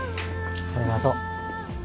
ありがとう。